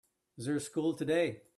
Is there school today?